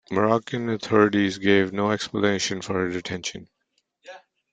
Moroccan authorities gave no explanation for her detention.